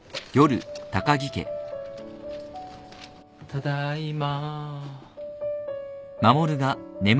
ただいま。